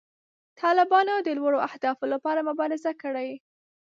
طالبانو د لوړو اهدافو لپاره مبارزه کړې.